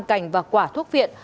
cành và quả thuốc viện